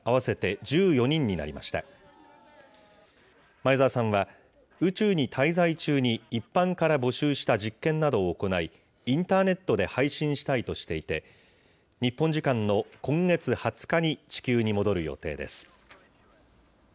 前澤さんは、宇宙に滞在中に一般から募集した実験などを行い、インターネットで配信したいとしていて、日本時間の今月２０日に地球に戻る予定です。